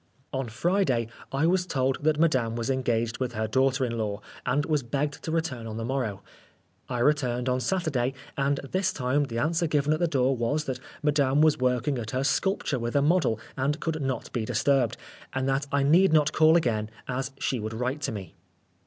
On Friday I was told that Madame was engaged with her daughter in law, and was begged to return on the morrow. I returned on Saturday, and this time the answer given at the door was, that Madame was working at her sculpture with a model and could not be disturbed, and that I need not call again, as she would write to me.